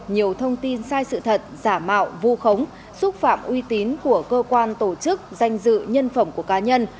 nhiều thông tin sai sự thật giả mạo vu khống xúc phạm uy tín của cơ quan tổ chức danh dự nhân phẩm của cá nhân